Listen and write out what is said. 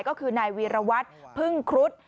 ก็คือนายวีรวัตรพึ่งครุฑ